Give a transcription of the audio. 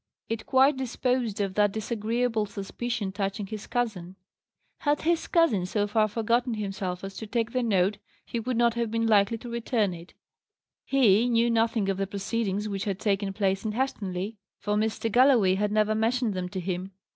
It quite disposed of that disagreeable suspicion touching his cousin. Had his cousin so far forgotten himself as to take the note, he would not have been likely to return it: he knew nothing of the proceedings which had taken place in Helstonleigh, for Mr. Galloway had never mentioned them to him.